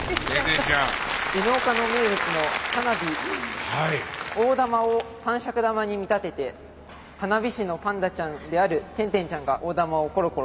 Ｎ岡の名物の花火大玉を三尺玉に見立てて花火師のパンダちゃんである転転ちゃんが大玉をコロコロと。